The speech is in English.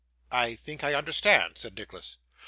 'I think I understand,' said Nicholas.